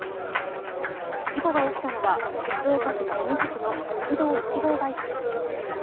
事故が起きたのは静岡市清水区の国道１号バイパス。